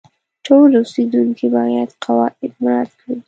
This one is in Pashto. ټول اوسیدونکي باید قواعد مراعات کړي.